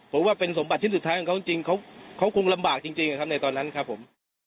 ผมว่าเป็นสมบัติชิ้นสุดท้ายของเขาจริงเขาคงลำบากจริงครับในตอนนั้นครับผม